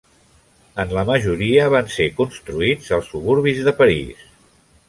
En la majoria van ser construïts als suburbis de París.